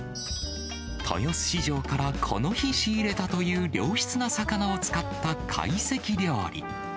豊洲市場からこの日仕入れたという良質な魚を使った会席料理。